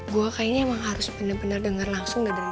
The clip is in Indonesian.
gue kayaknya emang harus bener bener denger langsung dari